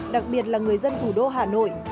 đặc biệt là người dân thủ đô hà nội